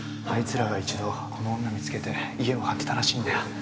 あいつらが一度この女見つけて家を張ってたらしいんだよ